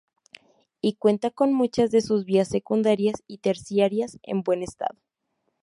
Y cuenta con muchas de sus vías secundarias y terciarias en buen estado.